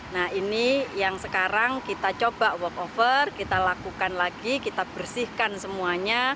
nah ini yang sekarang kita coba work over kita lakukan lagi kita bersihkan semuanya